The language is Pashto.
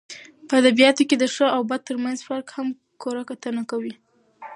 په اد بیاتو کښي د ښه او بد ترمنځ فرق هم کره کتنه کوي.